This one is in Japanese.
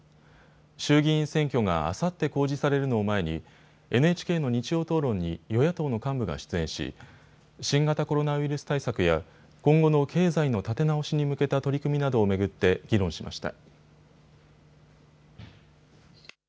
衆議院選挙があさって公示されるのを前にＮＨＫの日曜討論に与野党の幹部が出演し、新型コロナウイルス対策や今後の経済の立て直しに向けた取り組みなどを巡って議論しました。